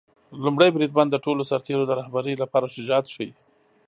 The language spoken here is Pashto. لومړی بریدمن د ټولو سرتیرو د رهبری لپاره شجاعت ښيي.